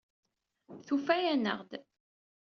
Tufa-aneɣ-d.